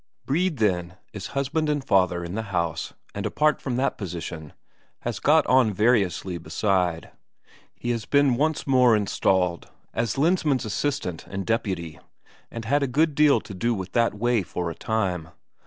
Brede, then, is husband and father in the house, and apart from that position, has got on variously beside. He had been once more installed as Lensmand's assistant and deputy, and had a good deal to do that way for a time.